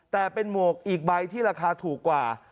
แต่เป็นหมวกอีกใบที่ราคาถูกกว่า